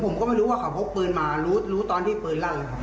ผมก็ไม่รู้ว่าเขาพกพื้นมารู้ตอนที่พื้นรั่น